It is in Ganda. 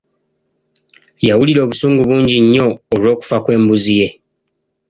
Yawulira obusungu bungi nnyo olw’okufa kw’embuzi ye.